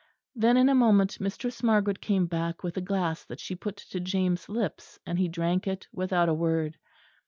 Then in a moment Mistress Margaret came back with a glass that she put to James' lips; and he drank it without a word.